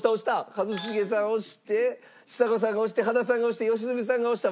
一茂さん押してちさ子さんが押して羽田さんが押して良純さんが押した。